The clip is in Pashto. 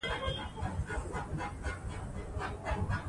د ولس غوسه بې سببه نه وي